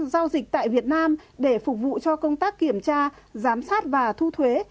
giao dịch tại việt nam để phục vụ cho công tác kiểm tra giám sát và thu thuế